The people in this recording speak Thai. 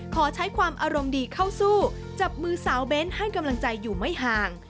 ขอใช้ความอารมณ์ดีเข้าสู้จับมือสาวเบ้นให้กำลังใจอยู่ไม่ห่าง